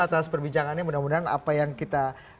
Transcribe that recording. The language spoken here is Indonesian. atas perbincangannya mudah mudahan apa yang kita